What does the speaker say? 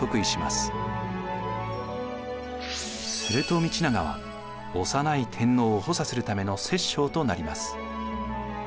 すると道長は幼い天皇を補佐するための摂政となります。